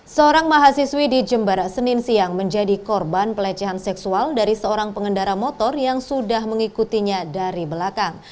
seorang mahasiswi di jembara senin siang menjadi korban pelecehan seksual dari seorang pengendara motor yang sudah mengikutinya dari belakang